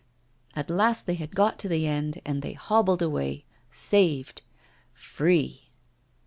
At last they had got to the end, and they hobbled away, saved free!